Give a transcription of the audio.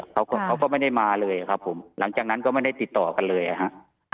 เขาก็เขาก็ไม่ได้มาเลยครับผมหลังจากนั้นก็ไม่ได้ติดต่อกันเลยอะฮะ